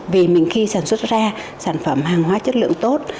vì mình khi sản xuất ra sản phẩm hàng hóa chất lượng tốt